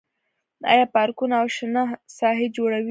آیا پارکونه او شنه ساحې جوړوي؟